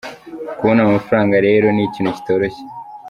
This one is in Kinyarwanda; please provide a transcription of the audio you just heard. Kubona amafaranga rero ni ikintu kitoroshye.